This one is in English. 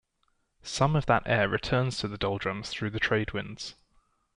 Some of that air returns to the doldrums through the trade winds.